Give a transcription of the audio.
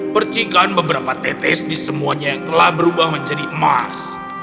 percikan beberapa tetes di semuanya yang telah berubah menjadi emas